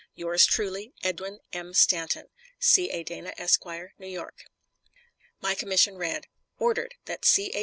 Yours truly, EDWIN M. STANTON. C. A. DANA, Esq., New York. My commission read: ORDERED, That C. A.